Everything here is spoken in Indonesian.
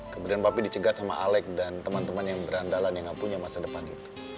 kemudian papa dicegat sama alec dan teman teman yang berandalan yang gak punya masa depan itu